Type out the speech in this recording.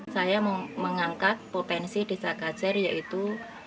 saya mengangkat potensi desa gajar yaitu